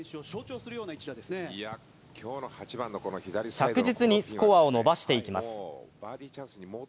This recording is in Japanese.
着実にスコアを伸ばしていきます。